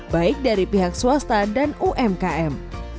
baik dari pihak swasta dan umkm